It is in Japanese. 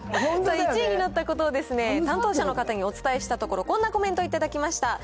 １位になったことを担当者の方にお伝えしたところ、こんなコメント頂きました。